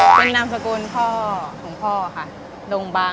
เป็นนามสกุลพ่อของพ่อค่ะดงบาง